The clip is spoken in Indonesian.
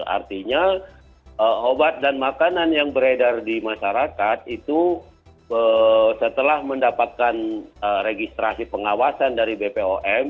artinya obat dan makanan yang beredar di masyarakat itu setelah mendapatkan registrasi pengawasan dari bpom